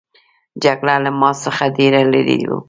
جګړه له ما څخه ډېره لیري وه.